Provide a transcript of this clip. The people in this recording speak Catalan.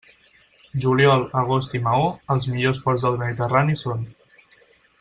Juliol, agost i Maó, els millors ports del Mediterrani són.